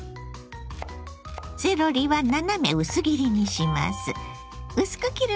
セロリは斜め薄切りにします。